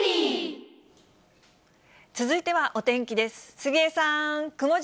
続いてはお天気です。